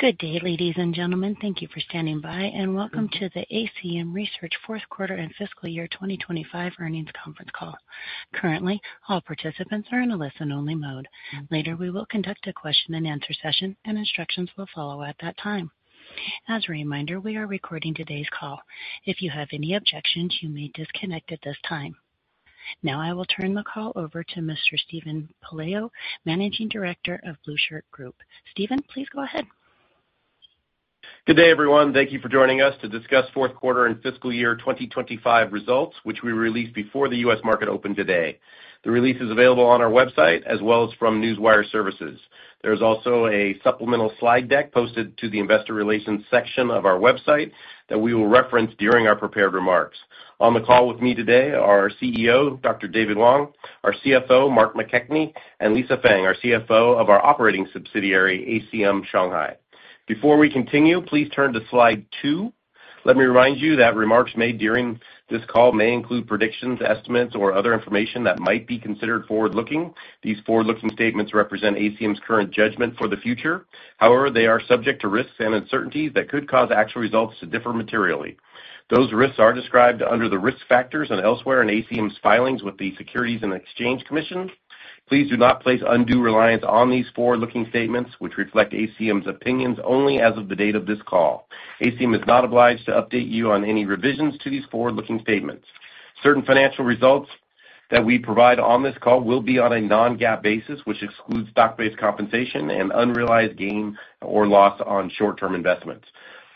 Good day, ladies and gentlemen. Thank you for standing by, and welcome to the ACM Research Fourth Quarter and Fiscal Year 2025 earnings conference call. Currently, all participants are in a listen-only mode. Later, we will conduct a question-and-answer session, and instructions will follow at that time. As a reminder, we are recording today's call. If you have any objections, you may disconnect at this time. Now, I will turn the call over to Mr. Steven Pelayo, Managing Director of The Blueshirt Group. Steven, please go ahead. Good day, everyone. Thank you for joining us to discuss fourth quarter and fiscal year 2025 results, which we released before the U.S. market opened today. The release is available on our website as well as from Newswire Services. There's also a supplemental slide deck posted to the investor relations section of our website that we will reference during our prepared remarks. On the call with me today are our CEO, Dr. David Wang, our CFO, Mark McKechnie, and Lisa Feng, our CFO of our operating subsidiary, ACM Shanghai. Before we continue, please turn to slide two. Let me remind you that remarks made during this call may include predictions, estimates, or other information that might be considered forward-looking. These forward-looking statements represent ACM's current judgment for the future. They are subject to risks and uncertainties that could cause actual results to differ materially. Those risks are described under the risk factors and elsewhere in ACM's filings with the Securities and Exchange Commission. Please do not place undue reliance on these forward-looking statements, which reflect ACM's opinions only as of the date of this call. ACM is not obliged to update you on any revisions to these forward-looking statements. Certain financial results that we provide on this call will be on a non-GAAP basis, which excludes stock-based compensation and unrealized gain or loss on short-term investments.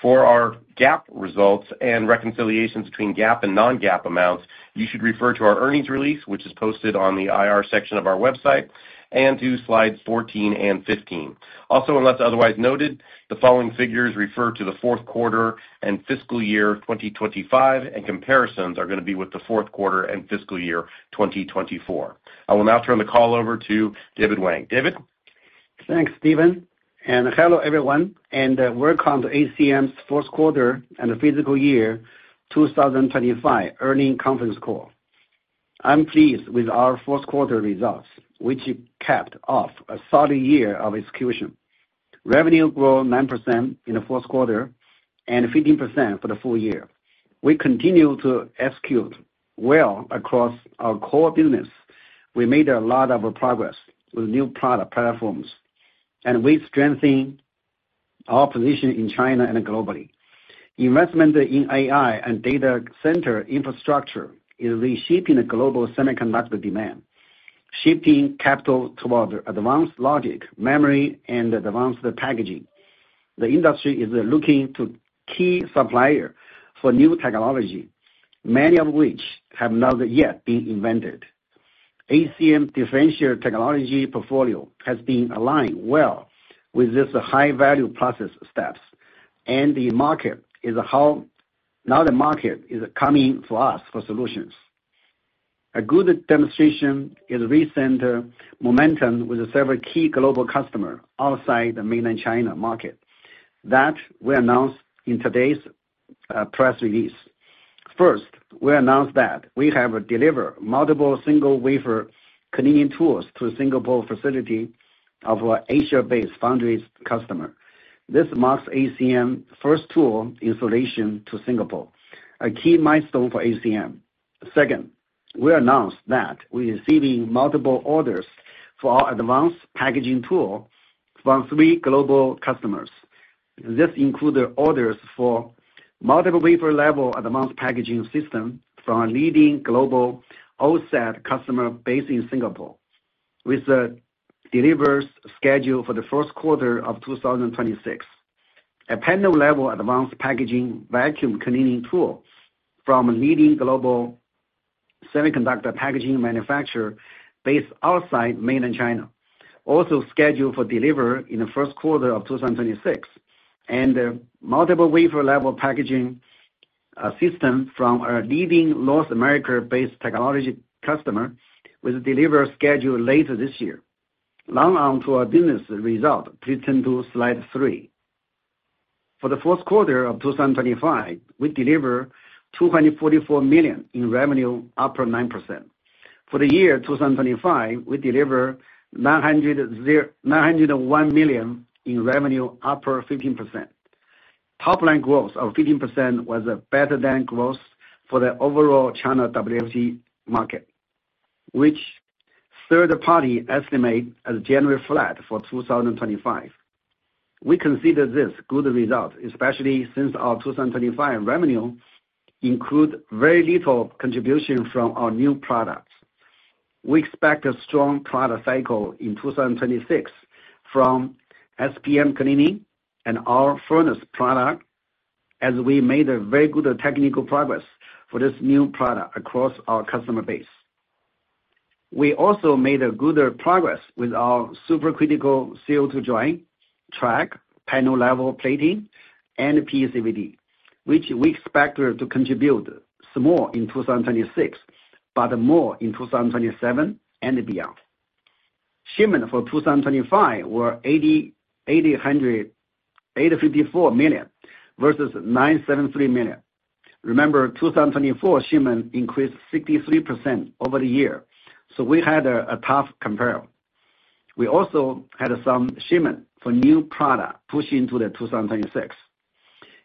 For our GAAP results and reconciliations between GAAP and non-GAAP amounts, you should refer to our earnings release, which is posted on the IR section of our website, and to slides 14 and 15. Unless otherwise noted, the following figures refer to the fourth quarter and fiscal year 2025, and comparisons are gonna be with the fourth quarter and fiscal year 2024. I will now turn the call over to David Wang. David? Thanks, Steven. Hello, everyone. Welcome to ACM's fourth quarter and fiscal year 2025 earnings conference call. I'm pleased with our fourth quarter results, which capped off a solid year of execution. Revenue grew 9% in the fourth quarter and 15% for the full year. We continue to execute well across our core business. We made a lot of progress with new product platforms. We strengthen our position in China and globally. Investment in AI and data center infrastructure is reshaping the global semiconductor demand, shifting capital towards advanced logic, memory, and advanced packaging. The industry is looking to key supplier for new technology, many of which have not yet been invented. ACM differentiated technology portfolio has been aligned well with these high-value process steps. Now the market is coming to us for solutions. A good demonstration is recent momentum with several key global customer outside the Mainland China market that we announced in today's press release. First, we announced that we have delivered multiple single-wafer cleaning tools to Singapore facility of our Asia-based foundries customer. This marks ACM's first tool installation to Singapore, a key milestone for ACM. Second, we announced that we are receiving multiple orders for our advanced packaging tool from three global customers. This includes the orders for multiple Wafer-Level advanced packaging system from a leading global OSAT customer based in Singapore, with the delivery scheduled for the first quarter of 2026. A Panel-Level advanced packaging vacuum cleaning tool from a leading global semiconductor packaging manufacturer based outside mainland China, also scheduled for delivery in the first quarter of 2026. Multiple Wafer-Level Packaging system from a leading North America-based technology customer, with delivery scheduled later this year. Now on to our business result. Please turn to slide three. For the fourth quarter of 2025, we deliver $244 million in revenue, up 9%. For the year 2025, we deliver $901 million in revenue, up 15%. Top-line growth of 15% was better than growth for the overall China WFE market, which third party estimate as generally flat for 2025. We consider this good result, especially since our 2025 revenue include very little contribution from our new products. We expect a strong product cycle in 2026 from SPM cleaning and our furnace product as we made a very good technical progress for this new product across our customer base. We also made a good progress with our supercritical CO2 dry, Track, Panel-Level plating, and PECVD, which we expect to contribute some more in 2026, but more in 2027 and beyond. Shipment for 2025 were $854 million versus $973 million. Remember, 2024 shipment increased 63% over the year. We had a tough compare. We also had some shipment for new product pushed into the 2026.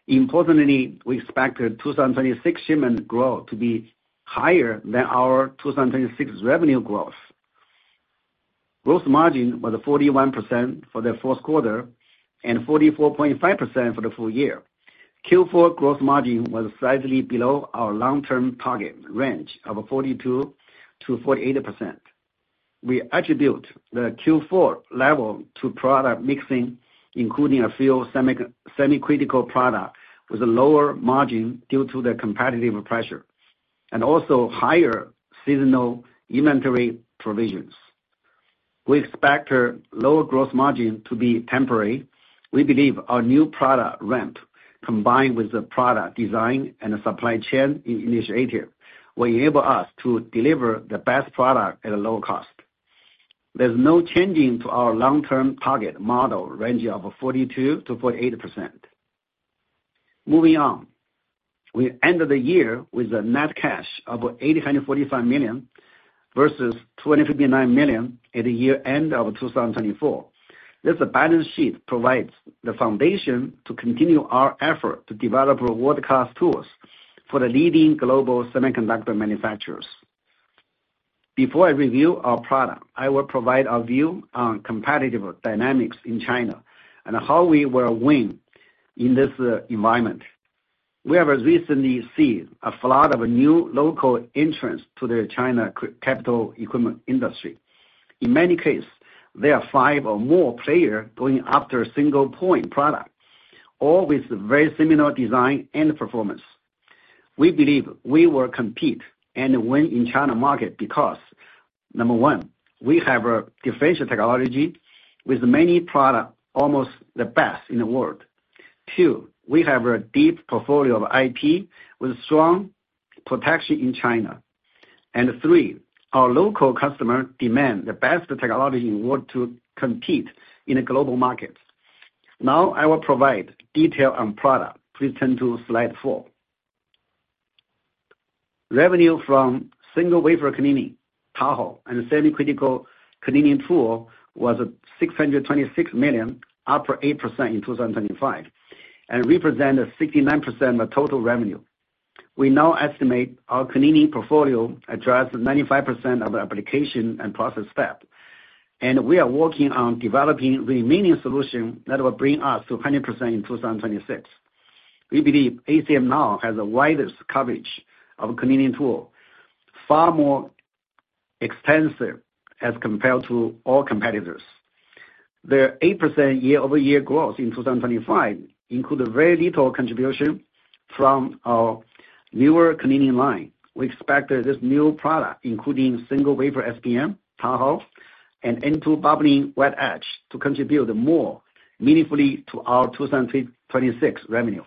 Importantly, we expect the 2026 shipment growth to be higher than our 2026 revenue growth. Gross margin was 41% for the fourth quarter and 44.5% for the full year. Q4 gross margin was slightly below our long-term target range of 42%-48%. We attribute the Q4 level to product mixing, including a few semi-critical product with a lower margin due to the competitive pressure, and also higher seasonal inventory provisions. We expect lower gross margin to be temporary. We believe our new product ramp, combined with the product design and the supply chain initiative, will enable us to deliver the best product at a low cost. There's no changing to our long-term target model range of 42%-48%. Moving on. We ended the year with a net cash of $845 million versus twenty-five nine million at the year end of 2024. This balance sheet provides the foundation to continue our effort to develop world-class tools for the leading global semiconductor manufacturers. Before I review our product, I will provide a view on competitive dynamics in China and how we will win in this environment. We have recently seen a flood of new local entrants to the China capital equipment industry. In many cases, there are five or more players going after a single point product, all with very similar design and performance. We believe we will compete and win in China market because, number one, we have a differential technology with many products, almost the best in the world. Two, we have a deep portfolio of IP with strong protection in China. Three, our local customer demand the best technology in order to compete in the global markets. Now I will provide detail on product. Please turn to slide four. Revenue from single-wafer cleaning, Tahoe and semi-critical cleaning tool was $626 million, up 8% in 2025, and represent 69% of total revenue. We now estimate our cleaning portfolio address 95% of the application and process step, and we are working on developing remaining solution that will bring us to 100% in 2026. We believe ACM now has the widest coverage of cleaning tool, far more extensive as compared to all competitors. The 8% year-over-year growth in 2025 include a very little contribution from our newer cleaning line. We expect this new product, including single-wafer SPM, Tahoe, and N2 bubbling wet etch to contribute more meaningfully to our 2026 revenue.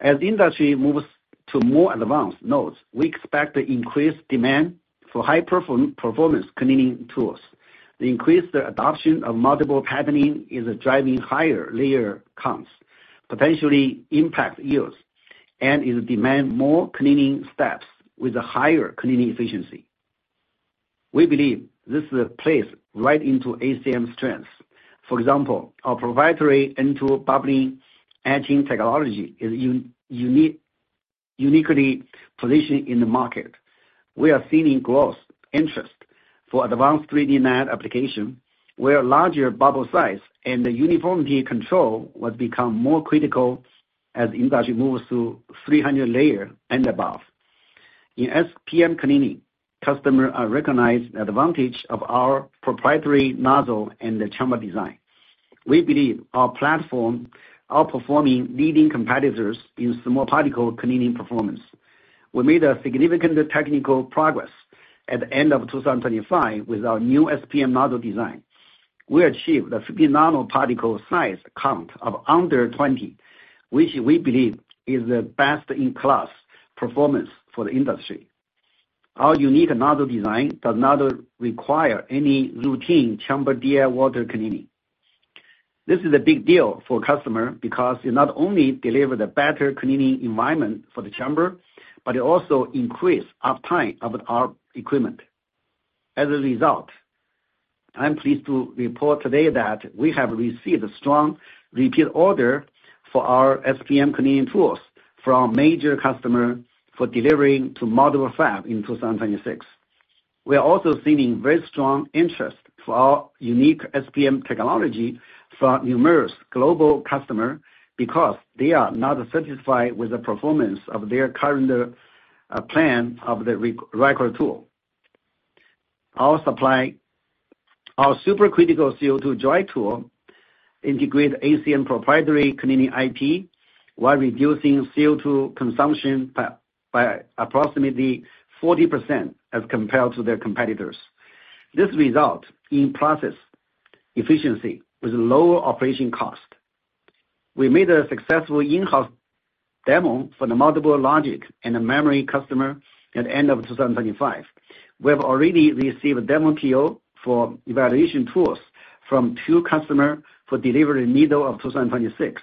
As industry moves to more advanced nodes, we expect increased demand for high performance cleaning tools. The increased adoption of multiple patterning is driving higher layer counts, potentially impact yields, and it demand more cleaning steps with a higher cleaning efficiency. We believe this plays right into ACM's strengths. For example, our proprietary N2 bubbling etching technology is uniquely positioned in the market. We are seeing growth interest for advanced 3D NAND application where larger bubble size and uniformity control will become more critical as industry moves to 300 layer and above. In SPM cleaning, customer are recognized advantage of our proprietary nozzle and the chamber design. We believe our platform outperforming leading competitors in small particle cleaning performance. We made a significant technical progress at the end of 2025 with our new SPM nozzle design. We achieved a 50 nano particle size count of under 20, which we believe is the best-in-class performance for the industry. Our unique nozzle design does not require any routine chamber DI water cleaning. This is a big deal for customer because it not only deliver the better cleaning environment for the chamber, but it also increase uptime of our equipment. As a result, I'm pleased to report today that we have received strong repeat order for our SPM cleaning tools from major customer for delivering to modular fab in 2026. We are also seeing very strong interest for our unique SPM technology for numerous global customer because they are not satisfied with the performance of their current plan of record tool. Our supercritical CO2 dry tool integrate ACM proprietary cleaning IP while reducing CO2 consumption by approximately 40% as compared to their competitors. This result in process efficiency with lower operating cost. We made a successful in-house demo for the multiple logic and memory customer at end of 2025. We have already received a demo PO for evaluation tools from two customer for delivery middle of 2026.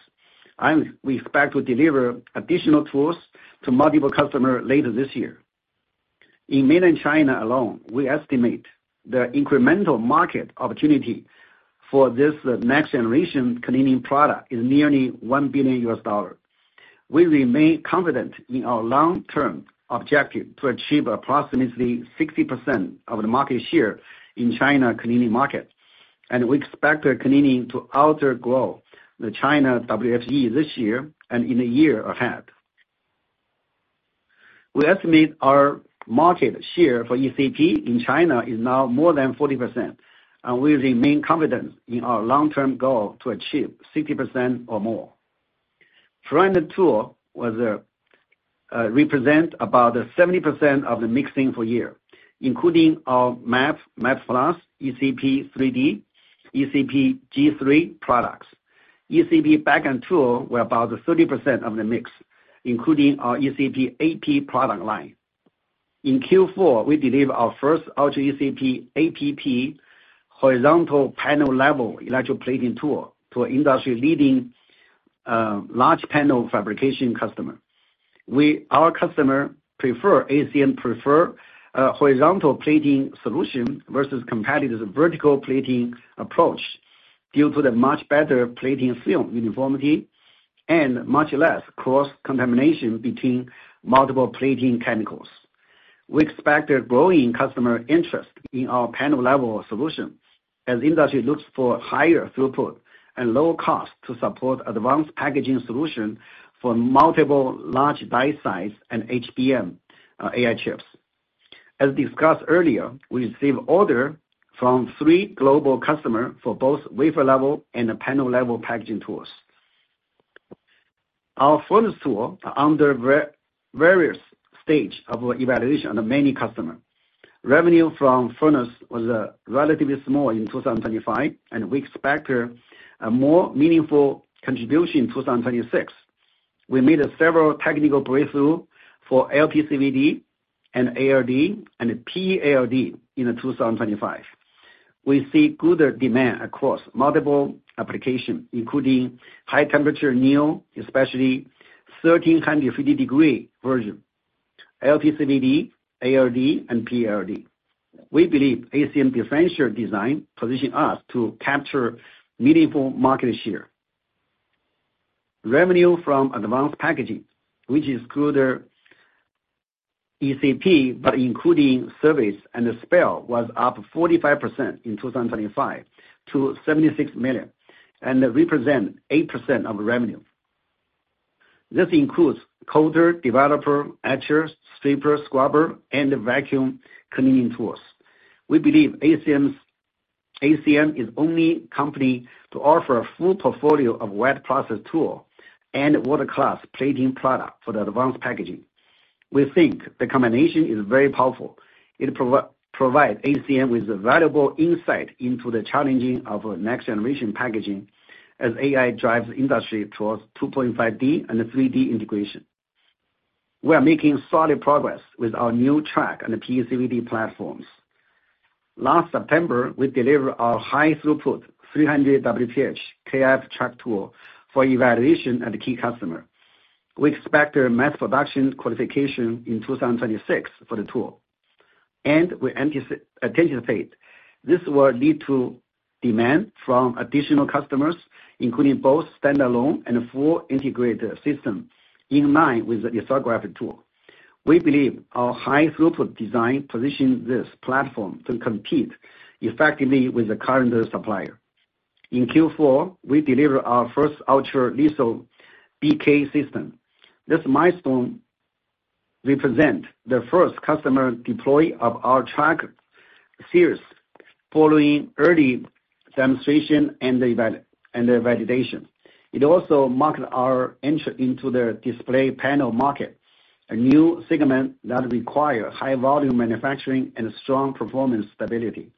We expect to deliver additional tools to multiple customer later this year. In mainland China alone, we estimate the incremental market opportunity for this next generation cleaning product is nearly $1 billion. We remain confident in our long-term objective to achieve approximately 60% of the market share in China cleaning market, we expect the cleaning to outer grow the China WFE this year and in the year ahead. We estimate our market share for ECP in China is now more than 40%, and we remain confident in our long-term goal to achieve 60% or more. Front-end tool was represent about 70% of the mixing for year, including our MAP Plus, ECP 3D, ECP GIII products. ECP back-end tool were about 30% of the mix, including our ECP ap product line. In Q4, we deliver our first Ultra ECP ap-p horizontal panel-level electroplating tool to an industry-leading large panel fabrication customer. Our customer prefer, ACM prefer a horizontal plating solution versus competitive vertical plating approach due to the much better plating film uniformity and much less cross-contamination between multiple plating chemicals. We expect a growing customer interest in our panel-level solution as industry looks for higher throughput and lower cost to support advanced packaging solution for multiple large die-size and HBM AI chips. As discussed earlier, we receive order from three global customer for both Wafer-Level and the Panel-Level Packaging tools. Our furnace tool are under various stage of evaluation on many customer. Revenue from furnace was relatively small in 2025, we expect a more meaningful contribution in 2026. We made several technical breakthrough for LPCVD and ALD and PALD in 2025. We see good demand across multiple application, including high temperature anneal, especially 1,350 degree version, LPCVD, ALD and PALD. We believe ACM differential design position us to capture meaningful market share. Revenue from advanced packaging, which is good ECP, but including service and the spell was up 45% in 2025 to $76 million and represent 8% of revenue. This includes coater, developer, etchers, strippers, scrubber, and vacuum cleaning tools. We believe ACM is only company to offer a full portfolio of wet process tool and world-class plating product for the advanced packaging. We think the combination is very powerful. It provides ACM with valuable insight into the challenging of next generation packaging as AI drives industry towards 2.5D and 3D integration. We are making solid progress with our new track on the PECVD platforms. Last September, we delivered our high throughput 300 WPH KrF track tool for evaluation at key customer. We expect a mass production qualification in 2026 for the tool. We anticipate this will lead to demand from additional customers, including both standalone and full integrated system in line with the lithography tool. We believe our high throughput design positions this platform to compete effectively with the current supplier. In Q4, we deliver our first Ultra Lith BK system. This milestone represent the first customer deploy of our track series following early demonstration and the validation. It also marked our entry into the display panel market, a new segment that require high volume manufacturing and strong performance stability.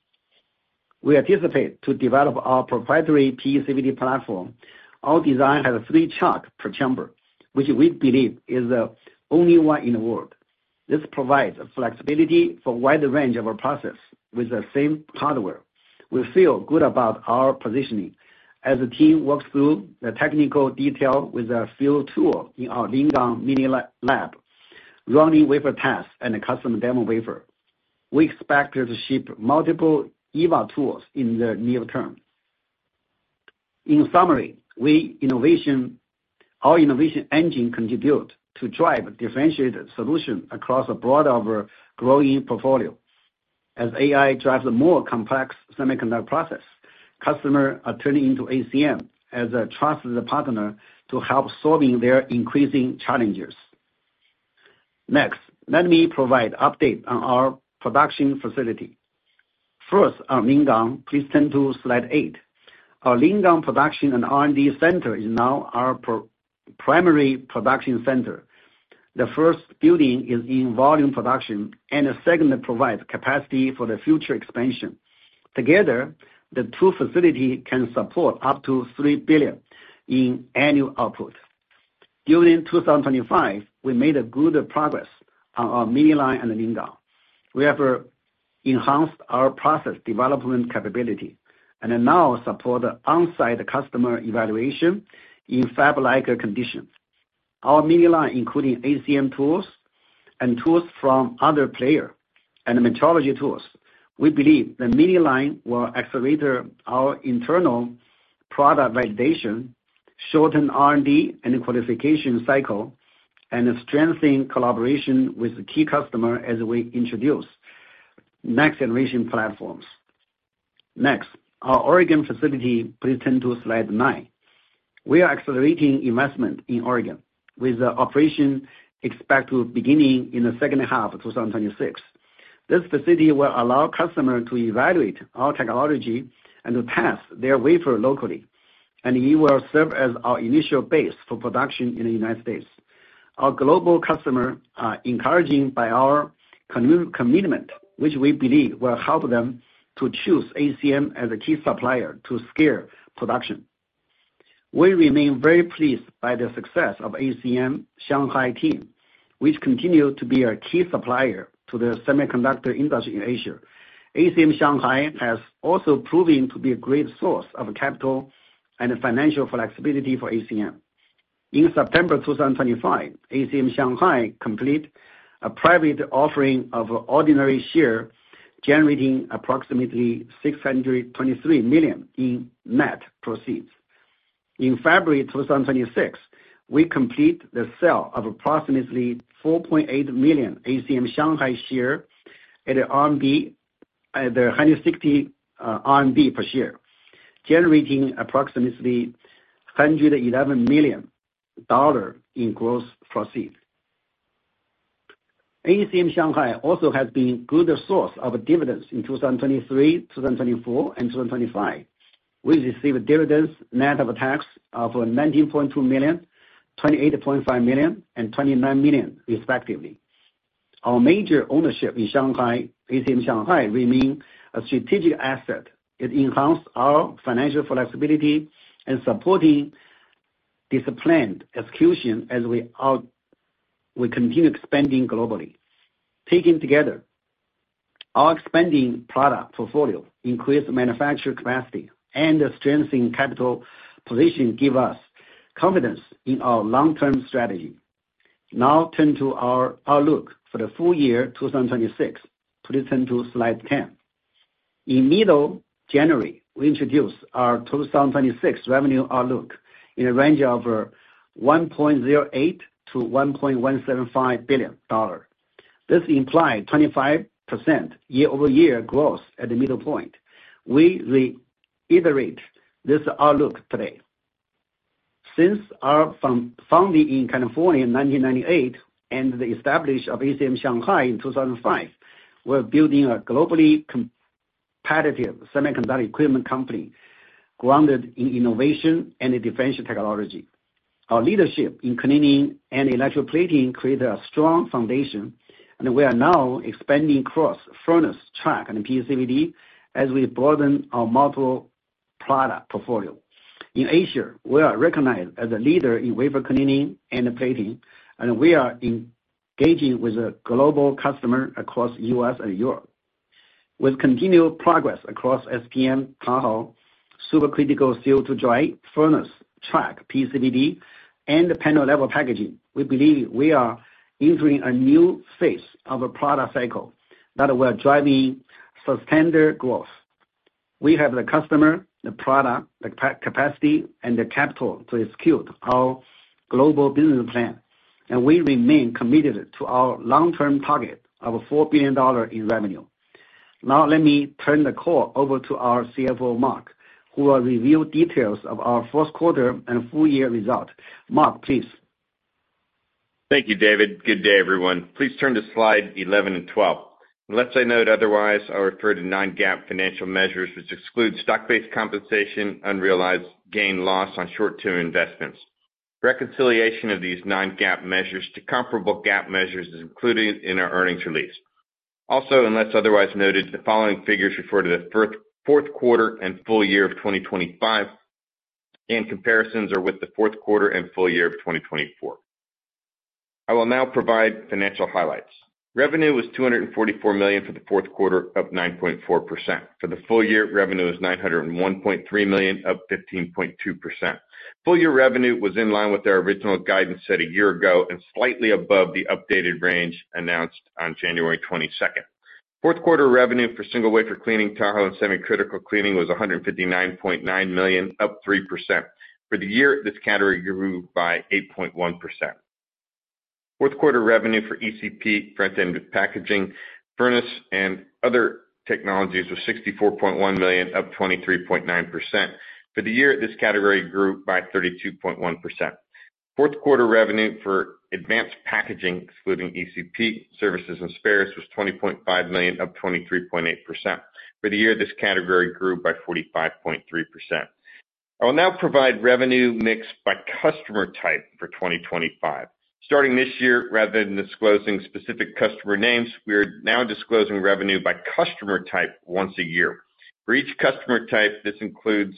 We anticipate to develop our proprietary PECVD platform. Our design has three chuck per chamber, which we believe is only one in the world. This provides flexibility for wider range of our process with the same hardware. We feel good about our positioning as the team works through the technical detail with a field tool in our Lingang mini lab, running wafer tests and a custom demo wafer. We expect to ship multiple EVA tools in the near term. In summary, our innovation engine contribute to drive differentiated solution across a broad of our growing portfolio. As AI drives a more complex semiconductor process, customer are turning to ACM as a trusted partner to help solving their increasing challenges. Let me provide update on our production facility. Our Lingang. Please turn to slide eight. Our Lingang production and R&D center is now our primary production center. The first building is in volume production, and the second provides capacity for the future expansion. Together, the two facility can support up to $3 billion in annual output. During 2025, we made a good progress on our mini line and the Ningbo. We have enhanced our process development capability and now support on-site customer evaluation in fab-like conditions. Our mini line, including ACM tools and tools from other player and metrology tools. We believe the mini line will accelerate our internal product validation, shorten R&D and qualification cycle, and strengthen collaboration with the key customer as we introduce next generation platforms. Next, our Oregon facility. Please turn to slide nine. We are accelerating investment in Oregon with the operation expected beginning in the second half of 2026. This facility will allow customers to evaluate our technology and to test their wafer locally, and it will serve as our initial base for production in the United States. Our global customer are encouraged by our commitment, which we believe will help them to choose ACM as a key supplier to scale production. We remain very pleased by the success of ACM Shanghai team, which continue to be a key supplier to the semiconductor industry in Asia. ACM Shanghai has also proven to be a great source of capital and financial flexibility for ACM. In September 2025, ACM Shanghai complete a private offering of ordinary share, generating approximately $623 million in net proceeds. In February 2026, we complete the sale of approximately 4.8 million ACM Shanghai share at a 160 RMB per share, generating approximately $111 million in gross proceeds. ACM Shanghai also has been good source of dividends in 2023, 2024 and 2025. We received dividends net of tax of $19.2 million, $28.5 million and $29 million respectively. Our major ownership in ACM Research (Shanghai) remain a strategic asset. It enhanced our financial flexibility and supporting disciplined execution as we continue expanding globally. Taken together, our expanding product portfolio increased manufacture capacity and strengthening capital position give us confidence in our long-term strategy. Turn to our outlook for the full year 2026. Please turn to slide 10. In middle January, we introduced our 2026 revenue outlook in a range of $1.08 billion-$1.175 billion. This implied 25% year-over-year growth at the middle point. We reiterate this outlook today. Since our founding in California in 1998 and the establishment of ACM Shanghai in 2005, we're building a globally competitive semiconductor equipment company grounded in innovation and differential technology. Our leadership in cleaning and electroplating created a strong foundation, and we are now expanding across furnace, track, and PCVD as we broaden our multiple product portfolio. In Asia, we are recognized as a leader in wafer cleaning and plating, and we are engaging with a global customer across U.S. and Europe. With continued progress across SPM, Tahoe, supercritical CO2 dry, Furnace, Track, PCVD, and Panel-Level Packaging, we believe we are entering a new phase of a product cycle that will driving sustained growth. We have the customer, the product, the capacity, and the capital to execute our global business plan, and we remain committed to our long-term target of $4 billion in revenue. Now let me turn the call over to our CFO, Mark, who will reveal details of our first quarter and full year results. Mark, please. Thank you, David. Good day, everyone. Please turn to slide 11 and 12. Unless I note otherwise, I'll refer to non-GAAP financial measures, which exclude stock-based compensation, unrealized gain loss on short-term investments. Reconciliation of these non-GAAP measures to comparable GAAP measures is included in our earnings release. Also, unless otherwise noted, the following figures refer to the fourth quarter and full year of 2025, and comparisons are with the fourth quarter and full year of 2024. I will now provide financial highlights. Revenue was $244 million for the fourth quarter, up 9.4%. For the full year, revenue is $901.3 million, up 15.2%. Full year revenue was in line with our original guidance set a year ago and slightly above the updated range announced on January 22nd. Fourth quarter revenue for single-wafer cleaning, Tahoe and semi-critical cleaning was $159.9 million, up 3%. For the year, this category grew by 8.1%. Fourth quarter revenue for ECP, front-end packaging, furnace, and other technologies was $64.1 million, up 23.9%. For the year, this category grew by 32.1%. Fourth quarter revenue for advanced packaging, excluding ECP, services, and spares, was $20.5 million, up 23.8%. For the year, this category grew by 45.3%. I will now provide revenue mix by customer type for 2025. Starting this year, rather than disclosing specific customer names, we are now disclosing revenue by customer type once a year. For each customer type this includes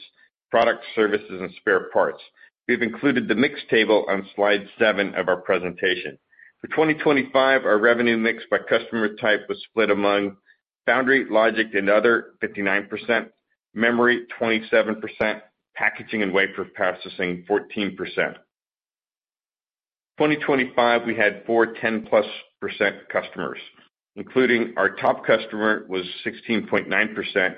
product services and spare parts. We've included the mix table on slide seven of our presentation. For 2025, our revenue mix by customer type was split among foundry, logic, and other 59%, memory 27%, packaging and wafer processing 14%. 2025, we had four 10+% customers, including our top customer was 16.9%.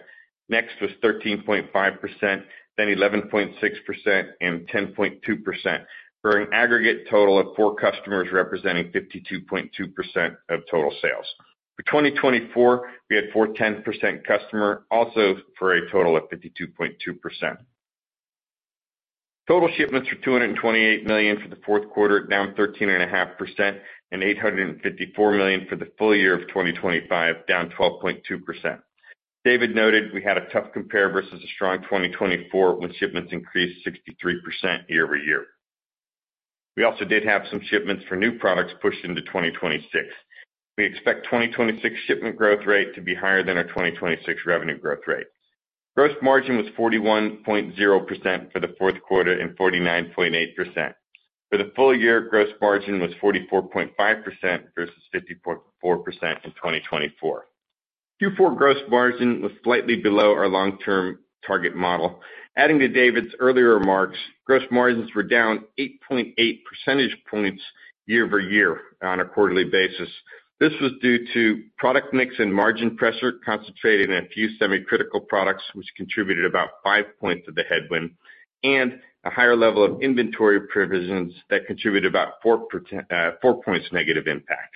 Was 13.5%, then 11.6% and 10.2%, for an aggregate total of four customers representing 52.2% of total sales. For 2024, we had four 10% customer also for a total of 52.2%. Total shipments were $228 million for the fourth quarter, down 13.5%, and $854 million for the full year of 2025, down 12.2%. David noted we had a tough compare versus a strong 2024 when shipments increased 63% year-over-year. We also did have some shipments for new products pushed into 2026. We expect 2026 shipment growth rate to be higher than our 2026 revenue growth rate. Gross margin was 41.0% for the fourth quarter and 49.8%. For the full year, gross margin was 44.5% versus 54% in 2024. Q4 gross margin was slightly below our long-term target model. Adding to David's earlier remarks, gross margins were down 8.8 percentage points year-over-year on a quarterly basis. This was due to product mix and margin pressure concentrated in a few semicritical products, which contributed about 5 points of the headwind and a higher level of inventory provisions that contributed about 4 points negative impact.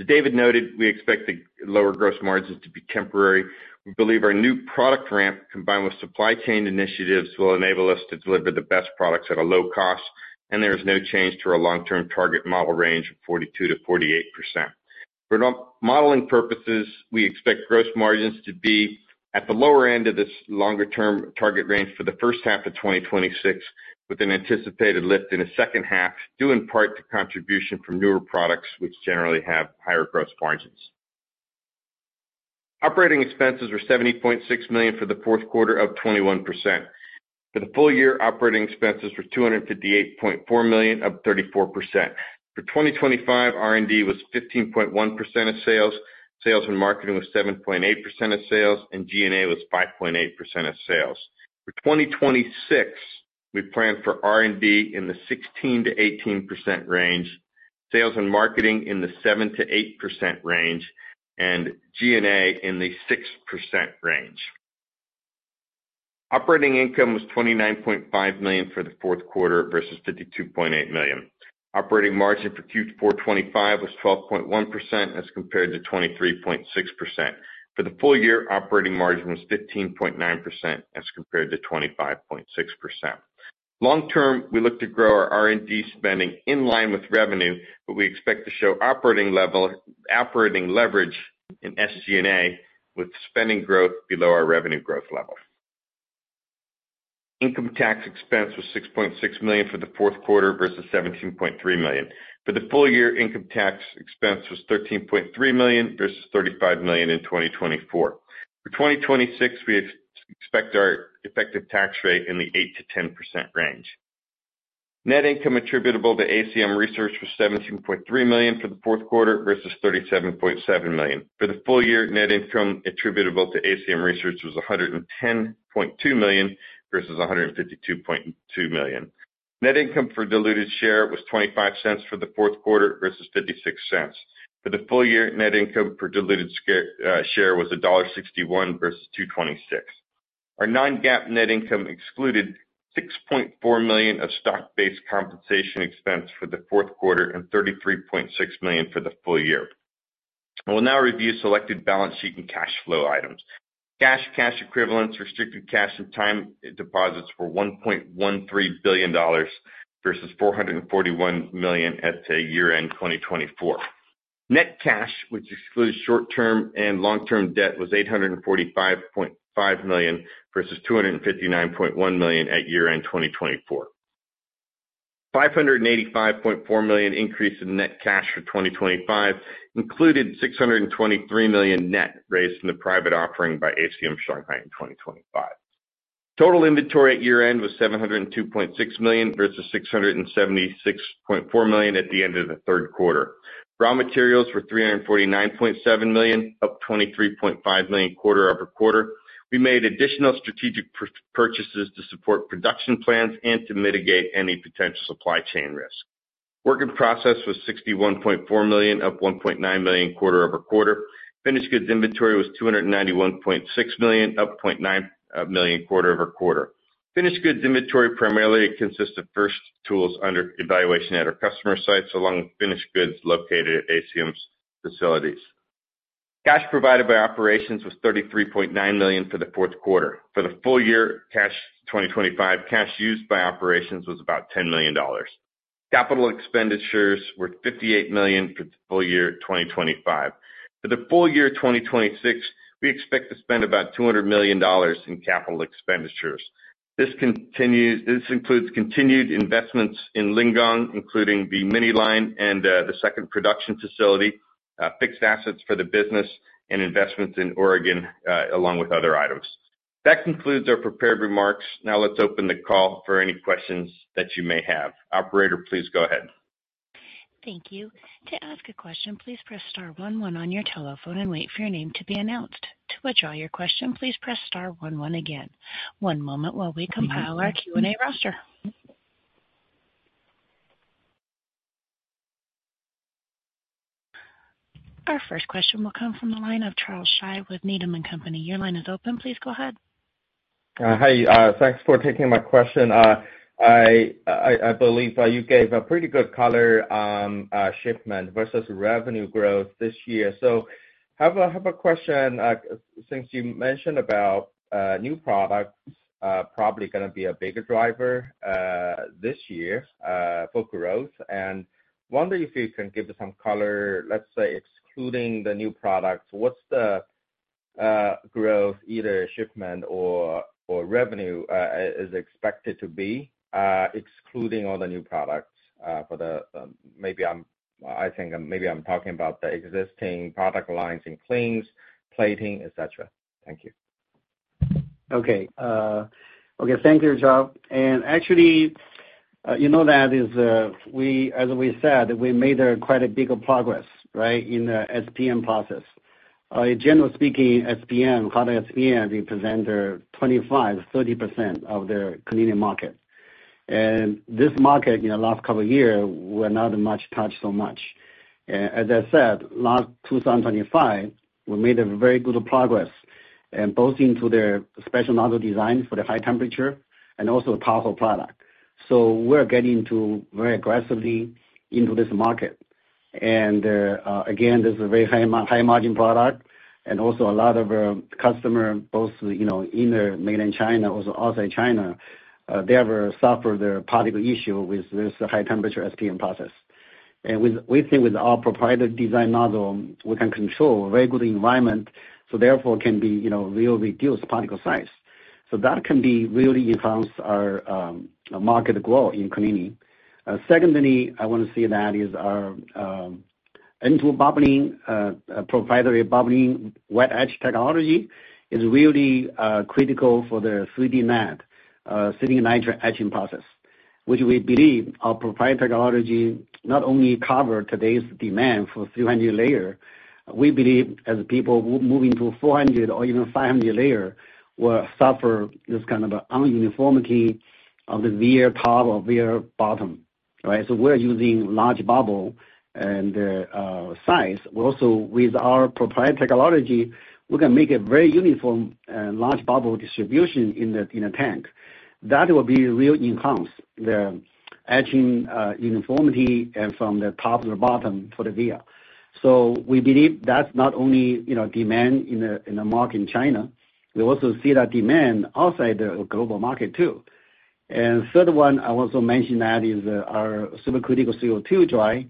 As David noted, we expect the lower gross margins to be temporary. We believe our new product ramp, combined with supply chain initiatives, will enable us to deliver the best products at a low cost, and there is no change to our long-term target model range of 42%-48%. For no- modeling purposes, we expect gross margins to be at the lower end of this longer-term target range for the first half of 2026, with an anticipated lift in the second half, due in part to contribution from newer products, which generally have higher gross margins. Operating expenses were $70.6 million for the fourth quarter, up 21%. For the full year, operating expenses were $258.4 million, up 34%. For 2025, R&D was 15.1% of sales and marketing was 7.8% of sales, and G&A was 5.8% of sales. For 2026, we plan for R&D in the 16%-18% range, sales and marketing in the 7%-8% range, and G&A in the 6% range. Operating income was $29.5 million for the fourth quarter versus $52.8 million. Operating margin for Q4 2025 was 12.1% as compared to 23.6%. For the full year, operating margin was 15.9% as compared to 25.6%. Long term, we look to grow our R&D spending in line with revenue, but we expect to show operating leverage in SG&A with spending growth below our revenue growth level. Income tax expense was $6.6 million for the fourth quarter versus $17.3 million. For the full year, income tax expense was $13.3 million versus $35 million in 2024. For 2026, we expect our effective tax rate in the 8%-10% range. Net income attributable to ACM Research was $17.3 million for the fourth quarter versus $37.7 million. For the full year, net income attributable to ACM Research was $110.2 million versus $152.2 million. Net income for diluted share was $0.25 for the fourth quarter versus $0.56. For the full year, net income for diluted share was $1.61 versus $2.26. Our non-GAAP net income excluded $6.4 million of stock-based compensation expense for the fourth quarter and $33.6 million for the full year. I will now review selected balance sheet and cash flow items. Cash, cash equivalents, restricted cash, and time deposits were $1.13 billion versus $441 million at year-end 2024. Net cash, which excludes short-term and long-term debt, was $845.5 million versus $259.1 million at year-end 2024. $585.4 million increase in net cash for 2025 included $623 million net raised in the private offering by ACM Research (Shanghai) in 2025. Total inventory at year-end was $702.6 million versus $676.4 million at the end of the third quarter. Raw materials were $349.7 million, up $23.5 million quarter-over-quarter. We made additional strategic purchases to support production plans and to mitigate any potential supply chain risk. Work in process was $61.4 million, up $1.9 million quarter-over-quarter. Finished goods inventory was $291.6 million, up $0.9 million quarter-over-quarter. Finished goods inventory primarily consists of first tools under evaluation at our customer sites, along with finished goods located at ACM's facilities. Cash provided by operations was $33.9 million for the fourth quarter. For the full year 2025, cash used by operations was about $10 million. Capital expenditures were $58 million for the full year 2025. For the full year 2026, we expect to spend about $200 million in capital expenditures. This includes continued investments in Lingang, including the mini line and the second production facility, fixed assets for the business and investments in Oregon, along with other items. Concludes our prepared remarks. Now let's open the call for any questions that you may have. Operator, please go ahead. Thank you. To ask a question, please press star one one on your telephone and wait for your name to be announced. To withdraw your question, please press star one one again. One moment while we compile our Q&A roster. Our first question will come from the line of Charles Shi with Needham & Company. Your line is open. Please go ahead. Hi. Thanks for taking my question. I believe you gave a pretty good color on shipment versus revenue growth this year. I have a question. Since you mentioned about new products probably gonna be a bigger driver this year for growth, and wondering if you can give some color. Let's say, excluding the new products, what's the growth, either shipment or revenue, is expected to be, excluding all the new products, for the... I think maybe I'm talking about the existing product lines in cleans, plating, et cetera. Thank you. Okay. Okay. Thank you, Charles. Actually, you know that is, as we said, we made quite a big progress, right, in the SPM process. General speaking, SPM, hotter SPM represent 25%-30% of the cleaning market. This market in the last couple of year were not much touched so much. As I said, last 2025, we made a very good progress and both into their special model designs for the high temperature and also powerful product. We're getting very aggressively into this market. Again, this is a very high margin product. Also a lot of, customer both, you know, in the mainland China, also outside China, they have suffered a particle issue with this high temperature SPM process. With, we think with our proprietary design model, we can control a very good environment, so therefore can be, you know, really reduce particle size. That can be really enhance our market growth in cleaning. Secondly, I wanna say that is our N2 bubbling proprietary bubbling wet etch technology is really critical for the 3D NAND silicon nitride etching process, which we believe our proprietary technology not only cover today's demand for 300 layer, we believe as people moving to 400 or even 500 layer will suffer this kind of uniformity of the via top or via bottom, right? We're using large bubble and size. Also, with our proprietary technology, we can make a very uniform and large bubble distribution in a tank. That will be really enhance the etching uniformity and from the top to the bottom for the via. We believe that's not only, you know, demand in a market in China. We also see that demand outside the global market too. 3rd one, I also mentioned that is our supercritical CO2 dry.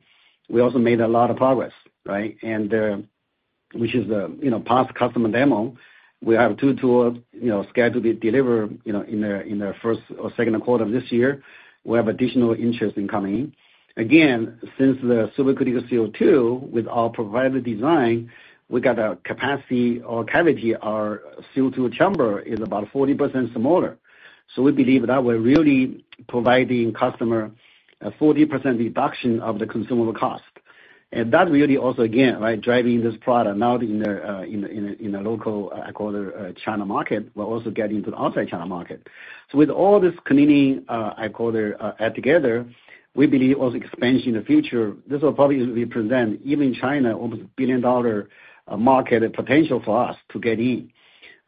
We also made a lot of progress, right? Which is the, you know, past customer demo. We have two tools, you know, scheduled to deliver, you know, in the 1st or 2nd quarter of this year. We have additional interest in coming in. Again, since the supercritical CO2 with our proprietary design, we got a capacity or cavity. Our CO2 chamber is about 40% smaller. We believe that we're really providing customer a 40% reduction of the consumable cost. That really also again, right, driving this product not in the local, I call it, China market, but also getting to the outside China market. With all this cleaning, I call the, together, we believe also expansion in the future. This will probably represent even China over a $1 billion market potential for us to get in.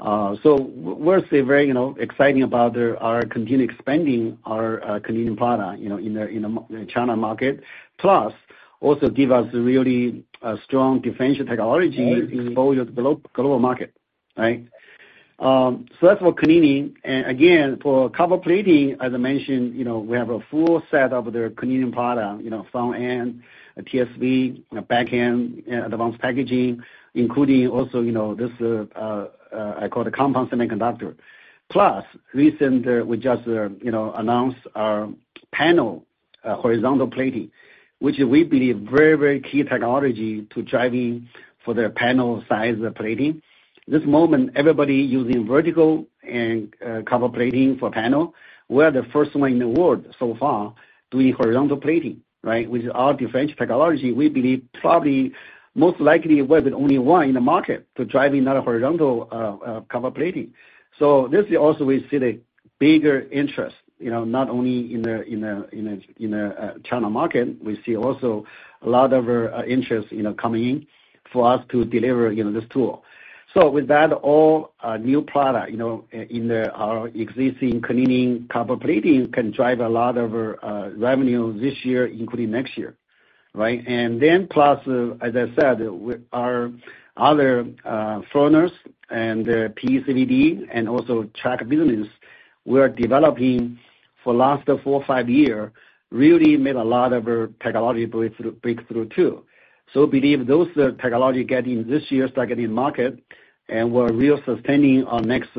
So we're still very, you know, exciting about our continued expanding our cleaning product, you know, in the China market. Plus, also give us really a strong defensive technology exposure to global market, right? So that's for cleaning. Again, for copper plating, as I mentioned, you know, we have a full set of the cleaning product, you know, front-end, TSV, back-end, advanced packaging, including also, you know, this, I call the compound semiconductor. Plus, recent, we just, you know, announced our panel horizontal plating, which we believe very, very key technology to driving for the panel size plating. This moment, everybody using vertical and copper plating for panel. We're the first one in the world so far doing horizontal plating, right? With our differential technology, we believe probably most likely we're the only one in the market to drive another horizontal copper plating. This also we see the bigger interest, you know, not only in the, in the, in the, in the China market. We see also a lot of interest, you know, coming in for us to deliver, you know, this tool. With that all new product, you know, in the, our existing cleaning copper plating can drive a lot of revenue this year, including next year, right? As I said, we, our other furnaces and PECVD and also track business we're developing for last four, five years really made a lot of technology breakthrough too. Believe those technology get in this year, start getting market and will real sustaining our next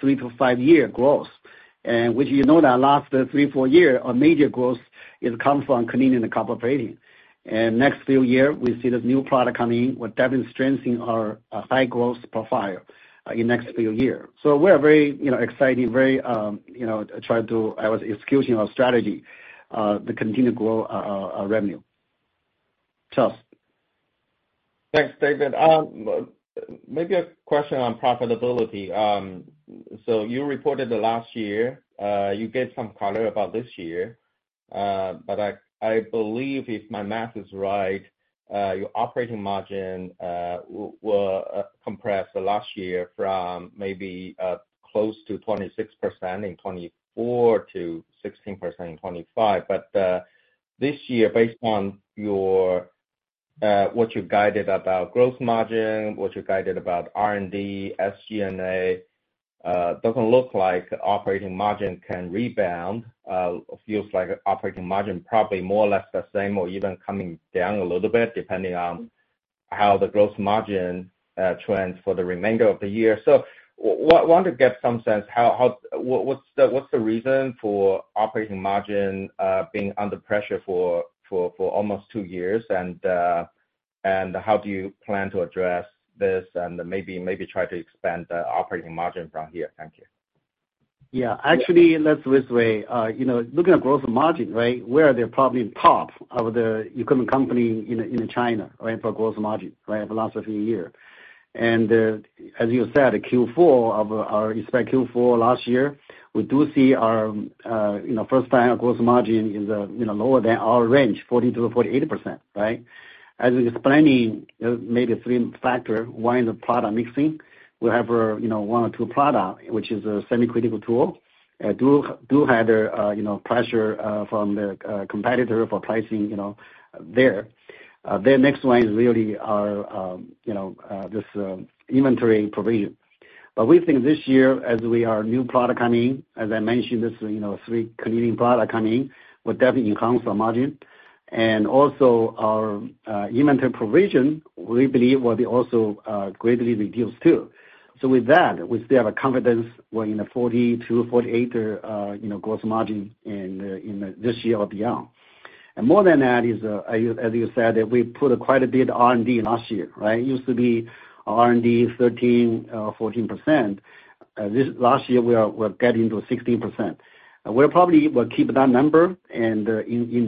three to five year growth. Which you know that last three, four years, our major growth is come from cleaning the copper plating. Next few years, we see this new product coming in. We're definitely strengthening our high growth profile in next few years. We are very, you know, exciting, very, you know, I was executing our strategy to continue to grow our revenue. Charles? Thanks, David. Maybe a question on profitability. You reported the last year, you gave some color about this year. I believe if my math is right, your operating margin will compress the last year from maybe close to 26% in 2024 to 16% in 2025. This year, based on your what you've guided about gross margin, what you've guided about R&D, SG&A, doesn't look like operating margin can rebound. It feels like operating margin probably more or less the same or even coming down a little bit, depending on how the gross margin trends for the remainder of the year. Want to get some sense how what's the reason for operating margin being under pressure for almost two years? How do you plan to address this and maybe try to expand the operating margin from here? Thank you. Yeah. Actually, let's this way, you know, looking at growth margin, right, we are the probably top of the equipment company in China, right, for growth margin, right, the last several year. As you said, Q4 of our, especially Q4 last year, we do see our, you know, first time our growth margin is, you know, lower than our range, 40%-48%, right? As explaining, maybe three factor, one is the product mixing. We have, you know, one or two product, which is a semi-critical tool, do have the, you know, pressure from the competitor for pricing, you know, there. The next one is really our, you know, this inventory provision. We think this year, as we are new product coming in, as I mentioned, this, three cleaning product coming in, will definitely enhance our margin. Also our inventory provision, we believe will be also greatly reduced too. With that, we still have a confidence we're in a 40%-48% growth margin in this year or beyond. More than that is, as you said, we put quite a bit of R&D last year, right? It used to be R&D 13%-14%. This last year, we're getting to 16%. We'll probably keep that number in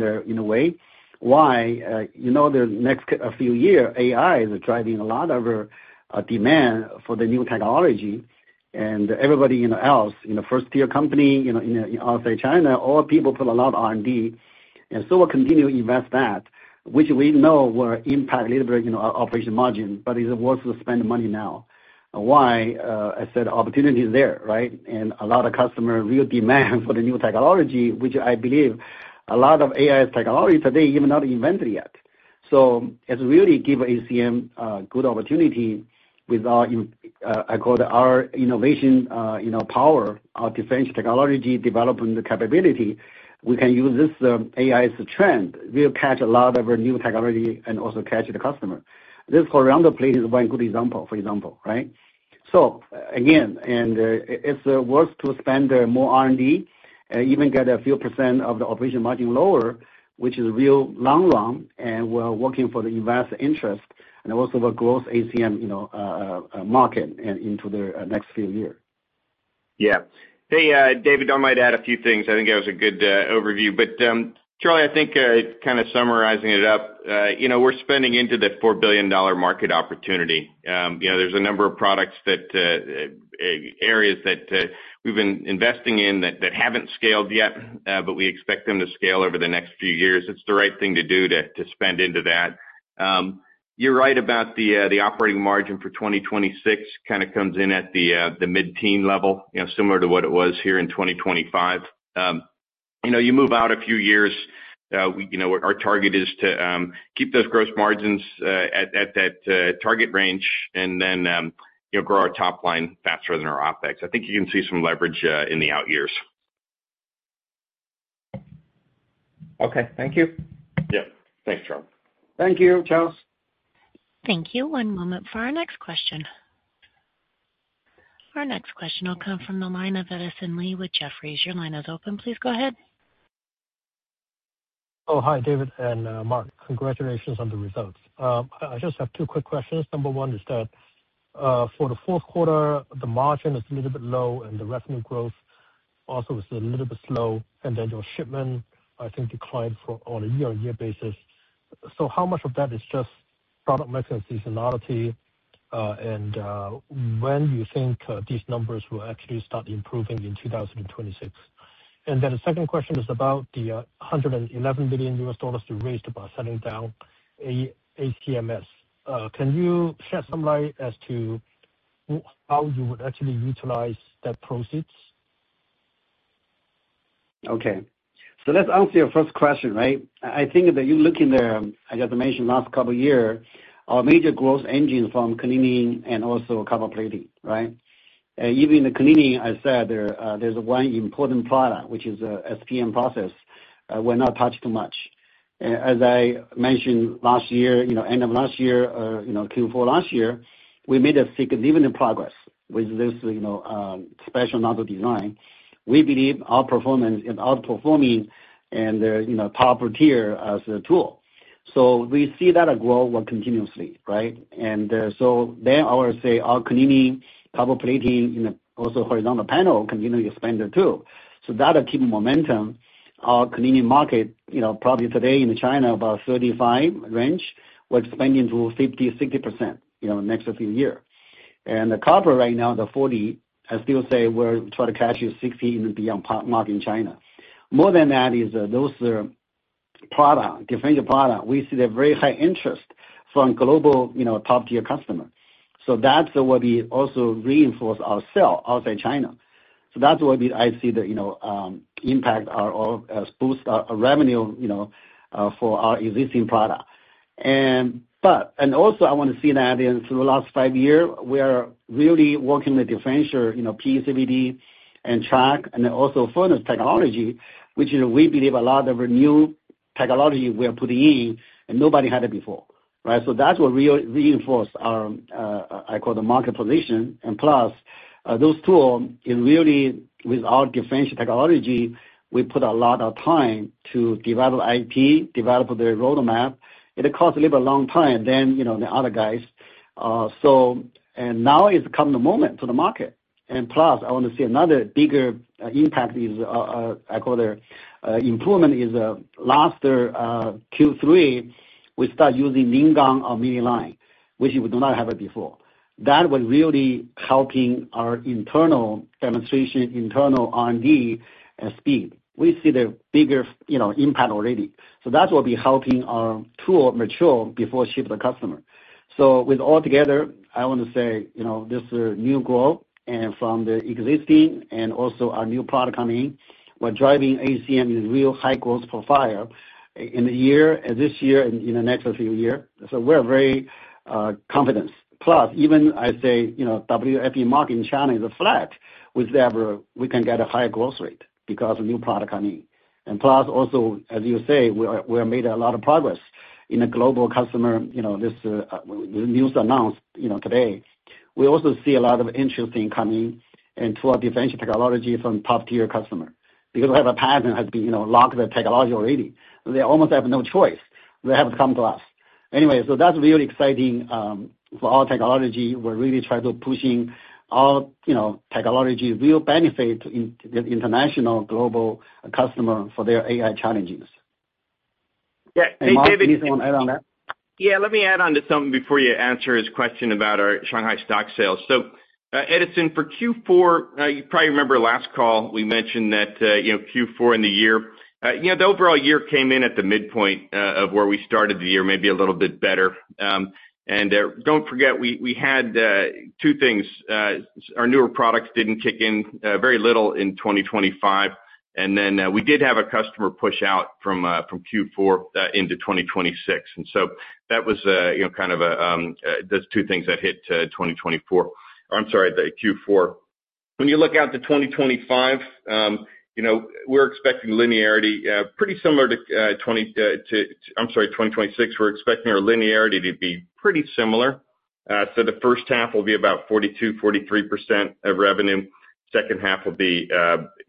a way. Why? You know, the next few year, AI is driving a lot of demand for the new technology and everybody, you know, else, you know, first-tier company, you know, in outside China, all people put a lot of R&D. We'll continue to invest that, which we know will impact a little bit, you know, our operation margin, but it's worth to spend money now. Why? I said opportunity is there, right? A lot of customer real demand for the new technology, which I believe a lot of AI technology today even not invented yet. It's really give ACM good opportunity with our I call it our innovation, you know, power, our defense technology development capability. We can use this AI's trend. We'll catch a lot of our new technology and also catch the customer. This panel-level plating is one good example, for example, right? It's worth to spend more R&D, even get a few percent of the operation margin lower, which is real long run, and we're working for the investor interest and also the growth ACM, you know, market into the next few year. Yeah. Hey, David, I might add a few things. I think that was a good overview. Charles, I think kind of summarizing it up, you know, we're spending into that $4 billion market opportunity. You know, there's a number of products that areas that we've been investing in that haven't scaled yet, but we expect them to scale over the next few years. It's the right thing to do to spend into that. You're right about the operating margin for 2026 kinda comes in at the mid-teen level, you know, similar to what it was here in 2025. You know, you move out a few years, we, you know what? Our target is to keep those gross margins at that target range and then, you know, grow our top line faster than our OpEx. I think you can see some leverage in the out years. Okay. Thank you. Yeah. Thanks, Charles. Thank you, Charles. Thank you. One moment for our next question. Our next question will come from the line of Edison Lee with Jefferies. Your line is open. Please go ahead. Hi, David and Mark. Congratulations on the results. I just have two quick questions. Number one is that for the fourth quarter, the margin is a little bit low and the revenue growth also is a little bit slow. Your shipment, I think, declined for, on a year-on-year basis. How much of that is just product mix and seasonality? When do you think these numbers will actually start improving in 2026? The second question is about the $111 billion you raised by selling down ACMS. Can you shed some light as to how you would actually utilize that proceeds? Okay. Let's answer your first question, right? I think that you look in the, as I mentioned last couple year, our major growth engine from cleaning and also copper plating, right? Even the cleaning, I said, there's one important product, which is SPM process, we're not touched much. As I mentioned last year, end of last year, Q4 last year, we made a significant progress with this special nano design. We believe our performance is outperforming and they're top tier as a tool. We see that growth continuously, right? I would say our cleaning, copper plating, and also horizontal panel continue to expand there too. That'll keep momentum. Our cleaning market, probably today in China about 35 range. We're expanding to 50%, 60%, you know, next few year. The copper right now, the 40, I still say we're trying to catch 60 even beyond mark in China. More than that is those product, differential product, we see they have very high interest from global, you know, top-tier customer. That's where we also reinforce our sell outside China. That's where I see the, you know, impact or boost our revenue, you know, for our existing product. But, and also I want to see that in through the last five year, we are really working the differential, you know, PECVD and track and then also furnace technology, which, you know, we believe a lot of the new technology we are putting in and nobody had it before, right? That's what reinforce our I call the market position. Plus, those two is really with our differential technology, we put a lot of time to develop IT, develop the roadmap. It costs a little long time than, you know, the other guys. Now it's come the moment to the market. Plus, I wanna see another bigger impact is, I call the improvement is, last Q3, we start using Lingang on mini line, which we do not have it before. That was really helping our internal demonstration, internal R&D speed. We see the bigger, you know, impact already. That will be helping our tool mature before ship the customer. With altogether, I want to say, you know, this is a new growth and from the existing and also our new product coming in, we're driving ACM in real high growth profile in the year, this year and in the next few years. We're very confident. Plus, even I say, you know, WFE market in China is flat, whichever we can get a higher growth rate because of new product coming. Plus also, as you say, we are made a lot of progress in a global customer. You know, this news announced, you know, today. We also see a lot of interest in coming into our differential technology from top-tier customer because we have a patent has been, you know, locked the technology already. They almost have no choice. They have to come to us. That's really exciting, for our technology. We're really trying to pushing our, you know, technology real benefit in the international global customer for their AI challenges. Yeah. Hey, David. Mark, you want to add on that? Yeah, let me add on to something before you answer his question about our Shanghai stock sales. Edison, for Q4, you probably remember last call, we mentioned that, you know, Q4 in the year. You know, the overall year came in at the midpoint of where we started the year, maybe a little bit better. Don't forget, we had two things. Our newer products didn't kick in, very little in 2025. We did have a customer push out from Q4 into 2026. That was, you know, kind of a, those two things that hit 2024. I'm sorry, the Q4. When you look out to 2025, you know, we're expecting linearity pretty similar to 20, to... I'm sorry, 2026, we're expecting our linearity to be pretty similar. The first half will be about 42%-43% of revenue. Second half will be,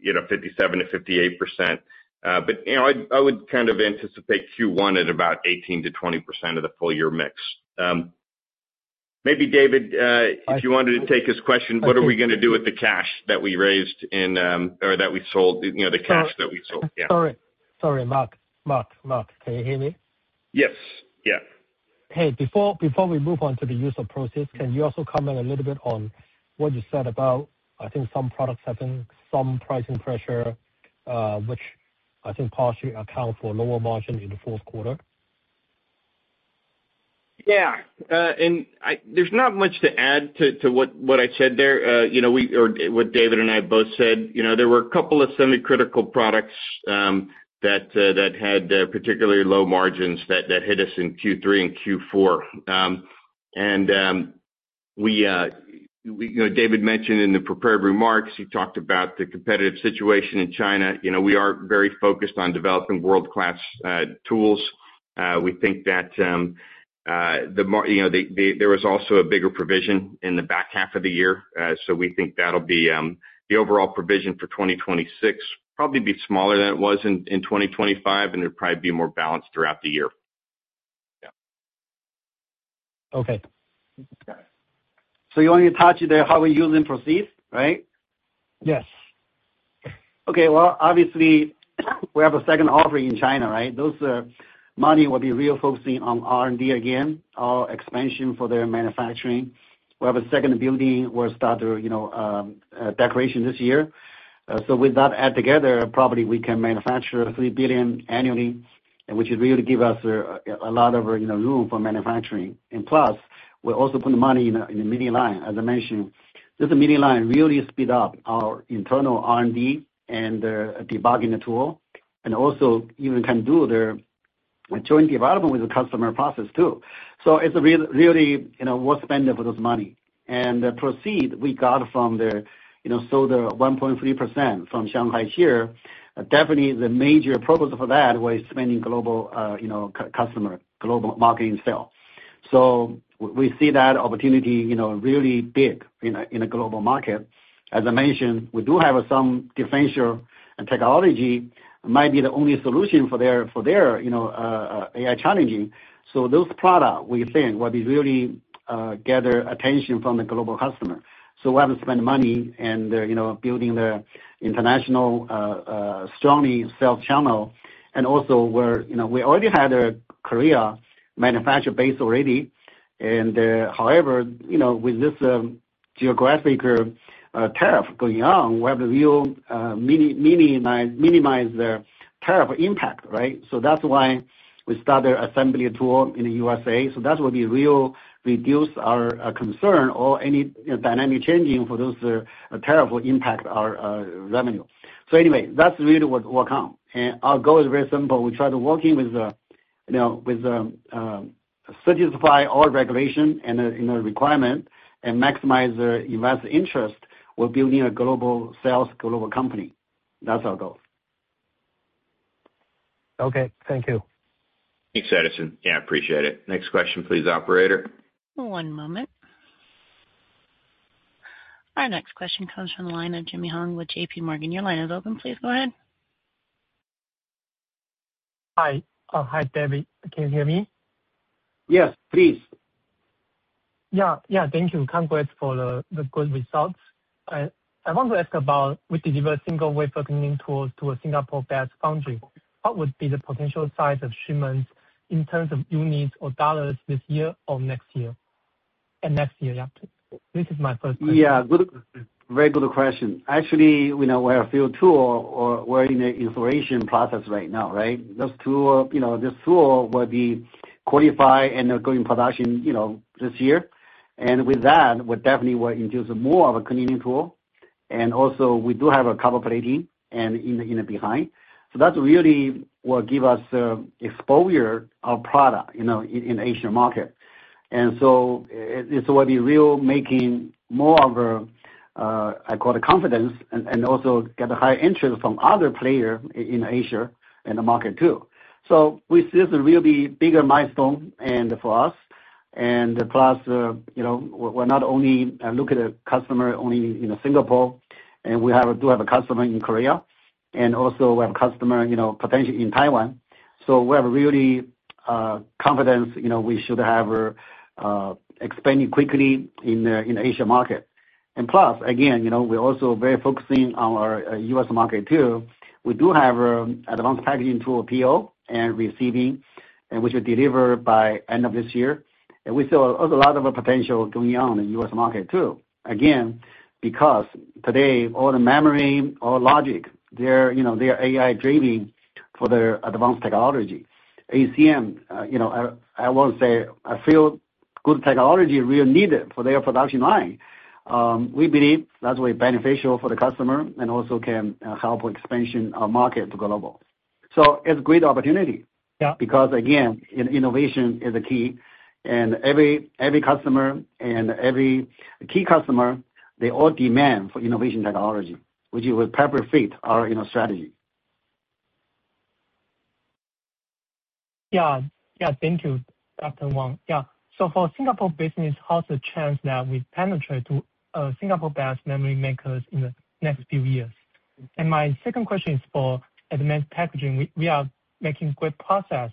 you know, 57%-58%. I would kind of anticipate Q1 at about 18%-20% of the full year mix. Maybe David, if you wanted to take his question, what are we gonna do with the cash that we raised in, or that we sold, you know, the cash that we sold? Yeah. Sorry. Sorry, Mark. Mark, can you hear me? Yes. Yeah. Hey, before we move on to the use of proceeds, can you also comment a little bit on what you said about, I think some products having some pricing pressure, which I think partially account for lower margins in the fourth quarter? Yeah. There's not much to add to what I said there. You know, we or what David and I both said. You know, there were a couple of semi-critical products that had particularly low margins that hit us in Q3 and Q4. We, you know, David mentioned in the prepared remarks, he talked about the competitive situation in China. You know, we are very focused on developing world-class tools. We think that, you know, there was also a bigger provision in the back half of the year. We think that'll be the overall provision for 2026 probably be smaller than it was in 2025, and it'd probably be more balanced throughout the year. Yeah. Okay. You want me to touch there how we're using proceeds, right? Yes. Well, obviously, we have a second offering in China, right? Those money will be really focusing on R&D again, our expansion for their manufacturing. We have a second building we'll start, you know, decoration this year. So with that add together, probably we can manufacture 3 billion annually, which would really give us a lot of, you know, room for manufacturing. Plus, we're also putting money in the mini line. As I mentioned, this mini line really speed up our internal R&D and debugging the tool, and also even can do the joint development with the customer process too. It's really, you know, we're spending for this money. The proceed we got from the, you know, so the 1.3% from Shanghai here, definitely the major purpose for that was spending global, you know, customer, global marketing sale. We see that opportunity, you know, really big in a global market. As I mentioned, we do have some differential and technology might be the only solution for their, you know, AI challenging. Those product we think will be really gather attention from the global customer. We have to spend money and, you know, building the international strongly sales channel. Also we already had a Korea manufacturer base already. However, you know, with this geographic tariff going on, we have to real minimize the tariff impact, right? That's why we start the assembly tool in the USA. That will be real reduce our concern or any, you know, dynamic changing for those tariff impact our revenue. That's really what will come. Our goal is very simple. We try to working with the, you know, satisfy all regulation and the requirement and maximize the investor interest. We're building a global sales global company. That's our goal. Okay. Thank you. Thanks, Edison. Yeah, I appreciate it. Next question, please, operator. One moment. Our next question comes from the line of Jimmy Hong with JPMorgan. Your line is open. Please go ahead. Hi. Hi, David. Can you hear me? Yes, please. Yeah, yeah. Thank you. Congrats for the good results. I want to ask about with the diverse single-wafer cleaning tools to a Singapore-based foundry. What would be the potential size of shipments in terms of units or dollars this year or next year? next year, yeah. This is my first question. Yeah. Good, very good question. Actually, you know, we have a few tool or we're in the installation process right now, right? Those tool, you know, this tool will be qualified and going production, you know, this year. With that, we definitely will introduce more of a cleaning tool. Also we do have a copper plating in the behind. That's really what give us exposure of product, you know, in Asian market. It's already real making more of a, I call it confidence and also get a high interest from other player in Asia in the market too. We see this a really bigger milestone and for us. Plus, you know, we're not only look at a customer only in Singapore, do have a customer in Korea and also we have customer, you know, potentially in Taiwan. We have really confidence, you know, we should have expanding quickly in Asia market. Plus, again, you know, we're also very focusing on our U.S. market too. We do have advanced packaging tool PO and receiving, and we should deliver by end of this year. We see a lot of potential going on in U.S. market too. Again, because today all the memory, all logic, they're, you know, they're AI-driven for their advanced technology. ACM, you know, I won't say I feel good technology really needed for their production line. We believe that's very beneficial for the customer and also can help expansion our market to global. It's great opportunity. Yeah. Because again, in innovation is a key. Every customer and every key customer, they all demand for innovation technology, which it will perfectly fit our, you know, strategy. Yeah. Yeah. Thank you, Dr. Wang. Yeah. For Singapore business, how's the chance that we penetrate to Singapore-based memory makers in the next few years? My second question is for advanced packaging. We are making great process.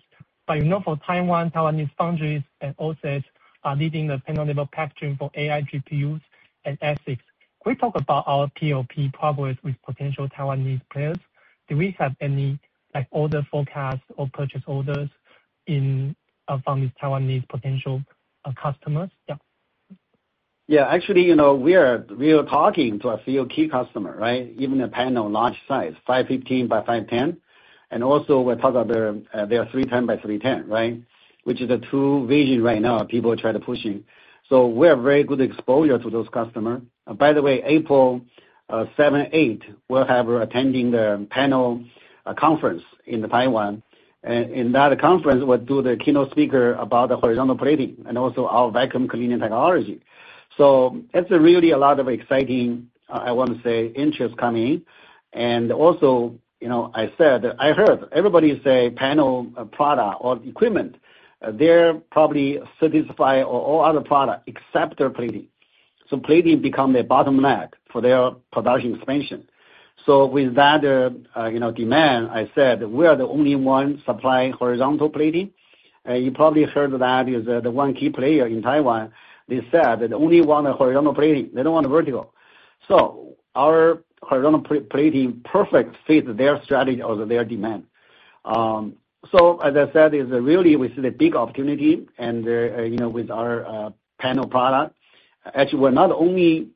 You know, for Taiwan, Taiwanese foundries and also are leading the Panel-Level Packaging for AI GPUs and ASICs. Can we talk about our PLP progress with potential Taiwanese players? Do we have any, like, order forecast or purchase orders from these Taiwanese potential customers? Yeah. Yeah. Actually, you know, we are talking to a few key customer, right? Even a panel large size, 515 mm x 510 mm. We talk about their 310 mm x 310 mm, right? Which is the two vision right now people are trying to push in. We have very good exposure to those customer. By the way, April 7, 8, we'll have attending the panel conference in Taiwan. In that conference, we'll do the keynote speaker about the horizontal plating and also our vacuum cleaning technology. It's really a lot of exciting, I want to say interest coming in. You know, I heard everybody say panel product or equipment, they're probably satisfy all other product except their plating. Plating become the bottleneck for their production expansion. With that, you know, demand, I said we are the only one supplying horizontal plating. You probably heard that is the one key player in Taiwan. They said that they only want a horizontal plating. They don't want a vertical. Our horizontal plating perfect fits their strategy or their demand. As I said, it's really we see the big opportunity and, you know, with our panel product. Actually, we're not only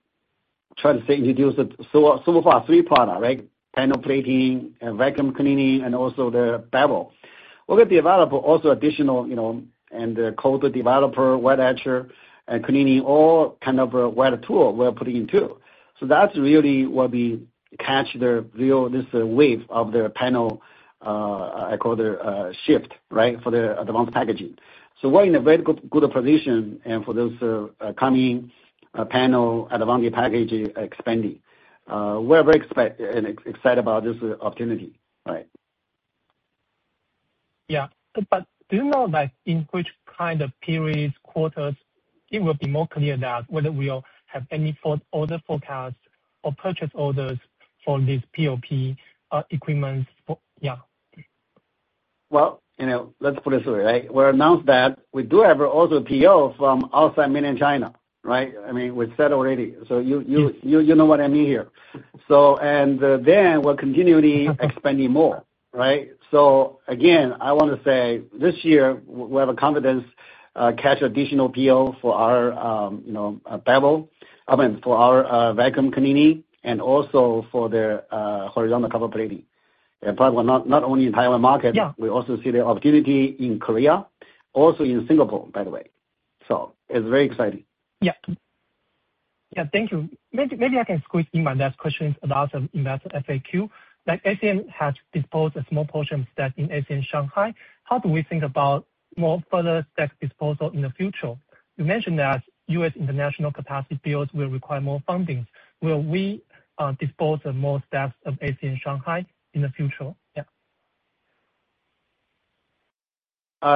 trying to say introduce so far three product, right? Panel plating, vacuum cleaning, and also the Bevel. We will be available also additional, you know, and coat developer, wet etcher, and cleaning, all kind of wet tool we're putting in too. That's really catch the real, this wave of the panel, I call the shift, right? For the advanced packaging. We're in a very good position and for those coming, panel advanced packaging expanding. We're very excited about this opportunity, right? Do you know, like, in which kind of periods, quarters it will be more clear that whether we'll have any order forecast or purchase orders for this PLP, equipments for. Yeah. Well, you know, let's put it this way, right? We announced that we do have also PO from outside mainland China, right? I mean, we said already. You, you, you know what I mean here. Then we're continually expanding more, right? Again, I wanna say this year we have a confidence, catch additional PO for our, you know, Bevel. I mean, for our vacuum cleaning and also for the horizontal copper plating. Probably not only in Taiwan market. Yeah. We also see the opportunity in Korea, also in Singapore, by the way. It's very exciting. Yeah. Yeah. Thank you. maybe I can squeeze in my last questions about investor FAQ. Like, ACM has disposed a small portion of stock in ACM Shanghai. How do we think about more further stock disposal in the future? You mentioned that U.S. international capacity builds will require more fundings. Will we dispose of more stocks of ACM Shanghai in the future? Yeah.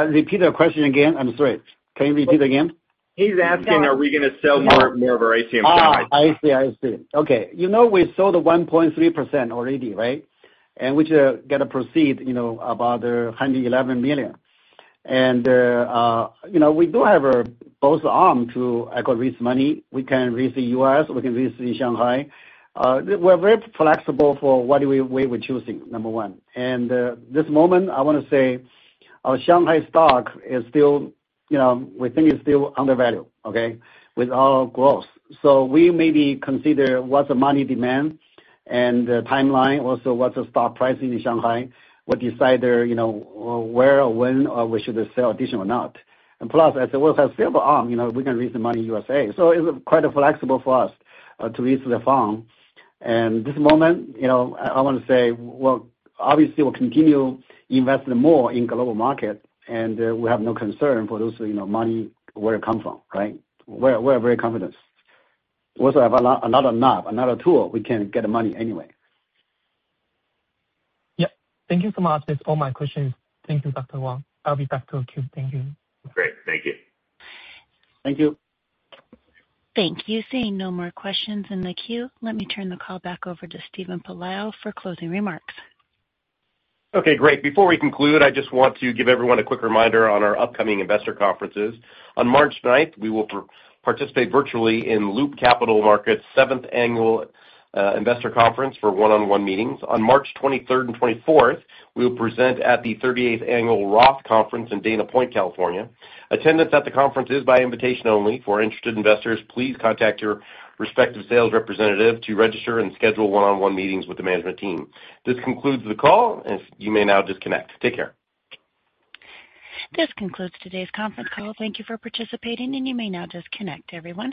Repeat the question again. I'm sorry. Can you repeat again? He's asking are we gonna sell more of our ACM Shanghai stock. I see. I see. Okay. You know, we sold 1.3% already, right? Which got a proceed, you know, about $111 million. You know, we do have a both arm to acquire this money. We can raise in US, we can raise in Shanghai. We're very flexible for what do we were choosing, number one. This moment I wanna say our Shanghai stock is still, you know, we think it's still undervalue, okay, with our growth. We maybe consider what's the money demand and the timeline, also what's the stock price in Shanghai. We decide there, you know, where or when or we should sell additional or not. Plus, as well as have saleable arm, you know, we can raise the money USA. It's quite flexible for us to raise the fund. This moment, you know, I wanna say, well, obviously we'll continue investing more in global market, and we have no concern for those, you know, money where it comes from, right? We're very confident. We also have another knob, another tool, we can get money anyway. Thank you so much. That's all my questions. Thank you, Dr. Wang. I'll be back to the queue. Thank you. Great. Thank you. Thank you. Thank you. Seeing no more questions in the queue, let me turn the call back over to Steven Pelayo for closing remarks. Okay, great. Before we conclude, I just want to give everyone a quick reminder on our upcoming investor conferences. On March 9th, we will participate virtually in Loop Capital Markets' Seventh Annual Investor Conference for one-on-one meetings. On March 23rd and 24th, we will present at the 38th Annual ROTH Conference in Dana Point, California. Attendance at the conference is by invitation only. For interested investors, please contact your respective sales representative to register and schedule one-on-one meetings with the management team. This concludes the call. If you may now disconnect. Take care. This concludes today's conference call. Thank you for participating. You may now disconnect, everyone.